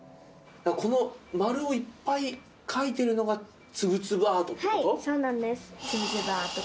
この丸をいっぱい描いてるのが、つぶつぶアートっていうこと？